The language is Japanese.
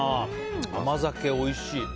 甘酒、おいしい。